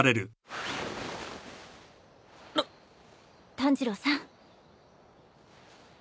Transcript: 炭治郎さん。